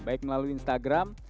baik melalui instagram